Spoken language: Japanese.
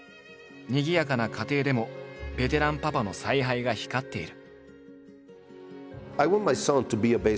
にぎやかな家庭でもベテランパパの采配が光っている。